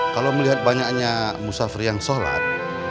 kalau melihat banyaknya musafri yang sholat